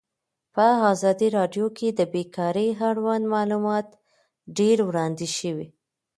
په ازادي راډیو کې د بیکاري اړوند معلومات ډېر وړاندې شوي.